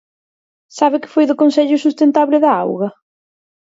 ¿Sabe que foi do Consello Sustentable da Auga?